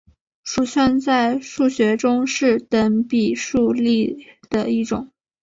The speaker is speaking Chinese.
鼠算在数学中是等比数列的一种。